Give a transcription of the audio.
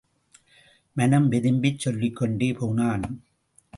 மனம் வெதும்பிச் சொல்லிக்கொண்டே போனான்.